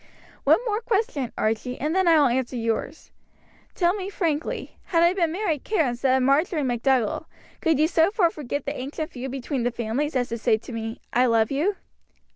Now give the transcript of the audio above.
"One more question, Archie, and then I will answer yours. Tell me frankly, had I been Mary Kerr instead of Marjory MacDougall, could you so far forget the ancient feud between the families as to say to me, 'I love you.'"